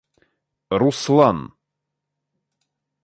Руслан